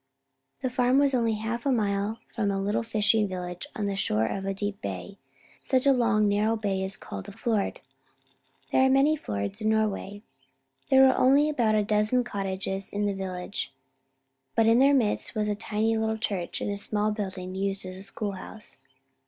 The farm was only half a mile from a little fishing village on the shore of a deep bay. Such a long, narrow bay is called a fiord. There are many fiords in Norway. There were only about a dozen cottages in the village, but in their midst was a tiny little church and a small building used as the schoolhouse.